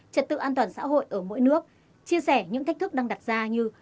trật tự an toàn xã hội ở mỗi nước chia sẻ những thách thức đang đặt ra như